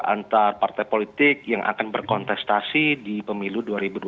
antar partai politik yang akan berkontestasi di pemilu dua ribu dua puluh